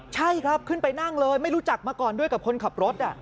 ใช่ครับขึ้นไปนั่งเลยไม่รู้จักมาก่อนด้วยกับคนขับรถ